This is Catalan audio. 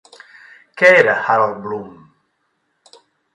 Què era Harold Bloom?